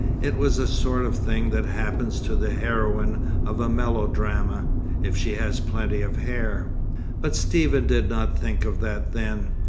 It was the sort of thing that happens to the heroine of a melodrama, if she has plenty of hair; but Stephen did not think of that then.